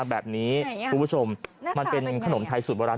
แบบนี้คุณผู้ชมมันเป็นขนมไทยสูตรโบราณ